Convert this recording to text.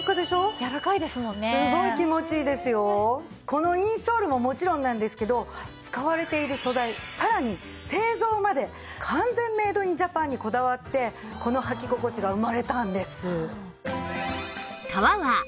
このインソールももちろんなんですけど使われている素材さらに製造まで完全メイド・イン・ジャパンにこだわってこの履き心地が生まれたんです。